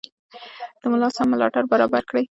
د ملا سم ملاتړ برابر کړئ.